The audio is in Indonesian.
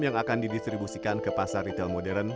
yang akan didistribusikan ke pasar retail modern